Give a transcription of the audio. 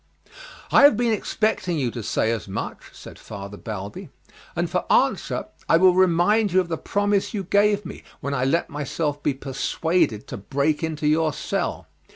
"I have been expecting you to say as much," said Father Balbi, "and for answer I will remind you of the promise you gave me when I let myself be persuaded to break into your cell.